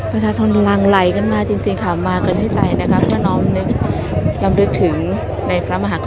ประชาชนลังไหลกันมาจริงค่ะมาเกิดพิจัยนะคะเพราะว่าน้องนึกลำนึกถึงในฝรั่งมหาวิทยาลัย